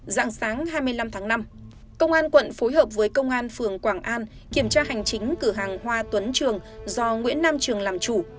dạng sáng hai mươi năm tháng năm công an quận phối hợp với công an phường quảng an kiểm tra hành chính cửa hàng hoa tuấn trường do nguyễn nam trường làm chủ